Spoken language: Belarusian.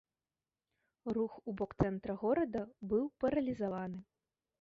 Рух у бок цэнтра горада быў паралізаваны.